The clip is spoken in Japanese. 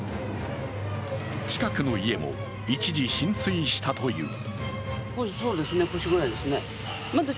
近くの家も一時浸水したという。